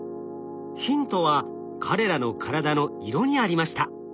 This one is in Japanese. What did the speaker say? ヒントは彼らの体の色にありました。